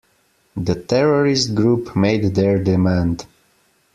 The terrorist group made their demand.